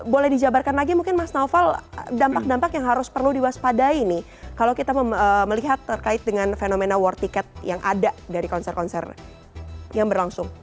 boleh dijabarkan lagi mungkin mas naufal dampak dampak yang harus perlu diwaspadai nih kalau kita melihat terkait dengan fenomena war ticket yang ada dari konser konser yang berlangsung